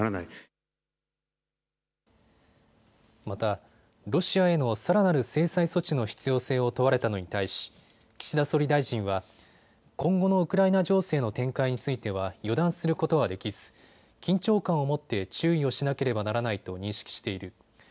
またロシアへのさらなる制裁措置の必要性を問われたのに対し岸田総理大臣は今後のウクライナ情勢の展開については予断することはできず緊張感を持って注意をしなければならないと認識している。